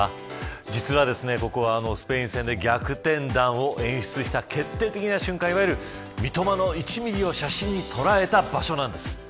実は、ここはスペイン戦で逆転弾を演出した決定的な瞬間いわゆる、三笘の１ミリを写真に捉えた場所です。